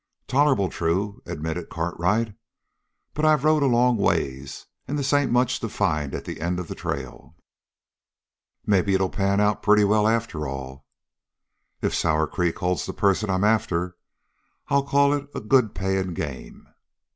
"Tolerable true," admitted Cartwright. "But I've rode a long ways, and this ain't much to find at the end of the trail." "Maybe it'll pan out pretty well after all." "If Sour Creek holds the person I'm after, I'll call it a good paying game."